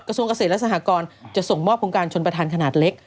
ส่วนเกษตรและสหกรจะส่งมอบโครงการชนประธานขนาดเล็ก